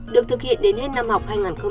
được thực hiện đến hết năm học